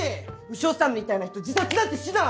潮さんみたいな人自殺なんてしない！